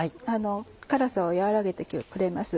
辛さを和らげてくれます。